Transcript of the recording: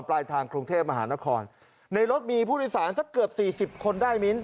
ปลายทางกรุงเทพมหานครในรถมีผู้โดยสารสักเกือบสี่สิบคนได้มิ้น